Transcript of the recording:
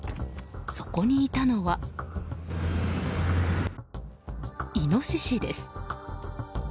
そこにいたのはイノシシです。